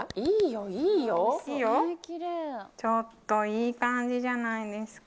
ちょっといい感じじゃないですか。